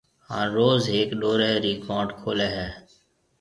ھان روز ھيَََڪ ڏورَي رِي گھونٺ کولَي ھيََََ